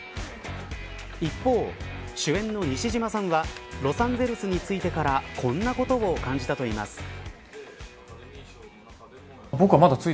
一方、主演の西島さんはロサンゼルスに着いてからこんなことを感じたといいます。